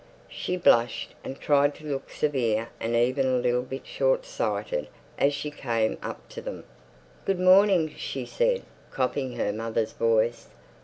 She blushed and tried to look severe and even a little bit short sighted as she came up to them. "Good morning," she said, copying her mother's voice.